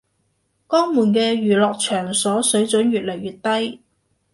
江門啲娛樂場所水準越來越低